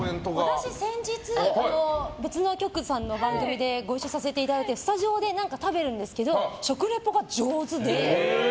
私、先日別の局さんの番組でご一緒させていただいてスタジオで何か食べるんですけど食リポが上手で。